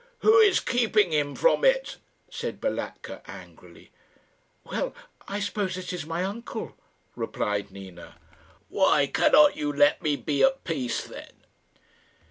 "Who is keeping him from it?" said Balatka, angrily. "Well I suppose it is my uncle," replied Nina. "Why cannot you let me be at peace then?"